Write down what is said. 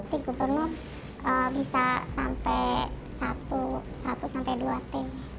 bupati gubernur bisa sampai satu sampai dua t